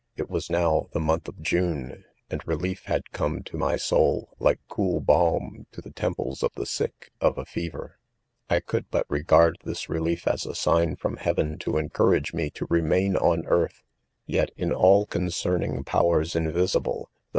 It was now, the month of June, and relief had cemeSf my. soul, like cool halm to the temples of the. sick of a fever.. '^■■■ 4 1 could but regard this relief as, ^signfrona heaven to encourage me to remain^ on^eartlu Yet in all concerning powers invisible, 'the.